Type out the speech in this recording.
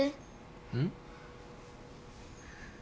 うん？